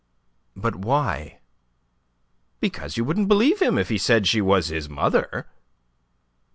"But why?" "Because you wouldn't believe him if he said she was his mother."